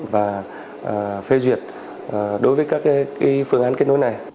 và phê duyệt đối với các phương án kết nối này